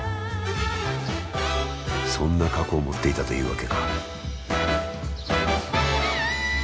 そんな過去を持っていたというわけか。